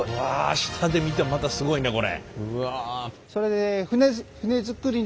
下で見てもまたすごいねこれ。